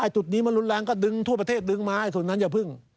จุดนี้มันรุนแรงก็ดึงทั่วประเทศดึงไม้ส่วนนั้นอย่าพึ่ง